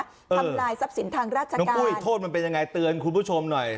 ทำลายทรัพย์สินทางราชการอุ้ยโทษมันเป็นยังไงเตือนคุณผู้ชมหน่อย